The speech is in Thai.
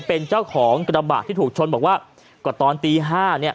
เป็นเจ้าของกระบะที่ถูกชนบอกว่าก็ตอนตีห้าเนี่ย